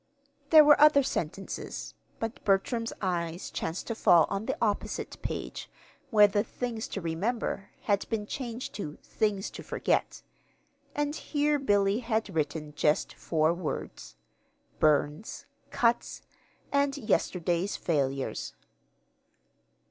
There were other sentences, but Bertram's eyes chanced to fall on the opposite page where the "Things to Remember" had been changed to "Things to Forget"; and here Billy had written just four words: "Burns," "cuts," and "yesterday's failures."